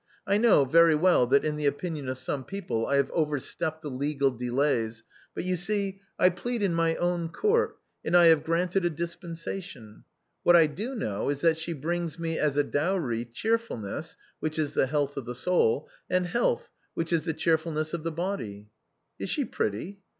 I know very well that in the opinion of some people I have overstepped tlie legal delays, but you see I plead in my own court, and I have granted a dispensation. What I do know is that she brings me as a dowry cheerfulness, which is the health of the soul, and health, which is the cheerfulness of the body." " Is she pretty